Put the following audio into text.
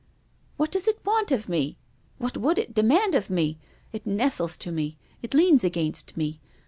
What does it want of me? What would it demand of me? It nestles to me. It leans against me.